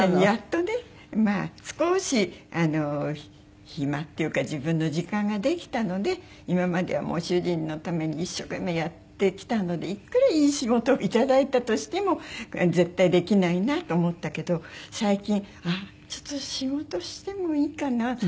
やっとね少し暇っていうか自分の時間ができたので今までは主人のために一生懸命やってきたのでいくらいい仕事頂いたとしても絶対できないなと思ったけど最近ちょっと仕事してもいいかな。